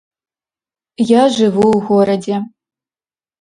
Я жыву ў горадзе.